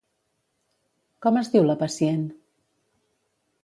Com es diu la pacient?